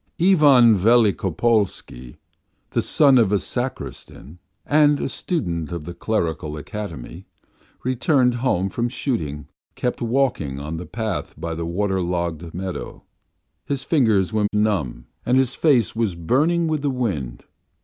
Ivan Velikopolsky, the son of a sacristan, and a student of the clerical academy, returning home from shooting, walked all the time by the path in the water side meadow. His fingers were numb and his face was burning with the wind.